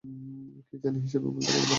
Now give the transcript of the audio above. কী জানি, হিসাবে ভুল থাকিতেও পারে।